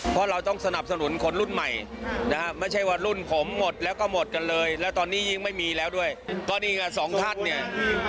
เพราะเราต้องสนับสนุนคนรุ่นใหม่นะฮะไม่ใช่ว่ารุ่นผมหมดแล้วก็หมดกันเลยแล้วตอนนี้ยิ่งไม่มีแล้วด้วยก็นี่ไงสองท่านเนี่ย